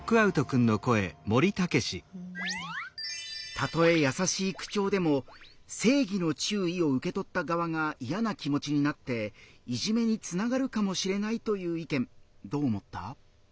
たとえ優しい口調でも「正義の注意」を受け取った側が嫌な気持ちになっていじめにつながるかもしれないという意見どう思った？